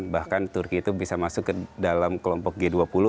bahkan turki itu bisa masuk ke dalam kelompok g dua puluh